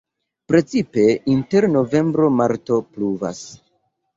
Precipe inter novembro-marto pluvas.